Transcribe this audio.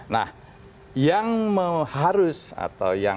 nah yang harus atau yang